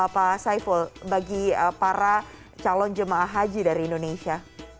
pak saiful bagi para calon jemaah haji dari indonesia